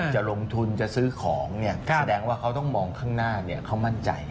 จะลงทุนจะซื้อของแสดงว่าเขาต้องมองข้างหน้าเขามั่นใจ